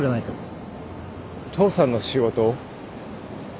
父さんの仕事を？